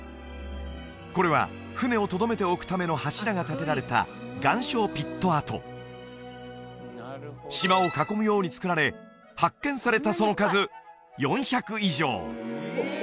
これは船をとどめておくための柱がたてられた岩礁ピット跡島を囲むようにつくられ発見されたその数４００以上！